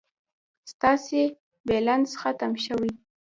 ستاسي بلينس ختم شوي